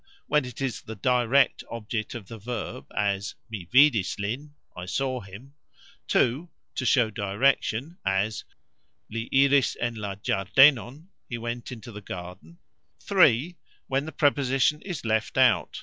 When it is the "direct object" of the verb, as "Mi vidis lin", I saw him. (ii.). To show "direction", as "Li iris en la gxardenon", He went into the garden. (iii.). When the "preposition" is "left out".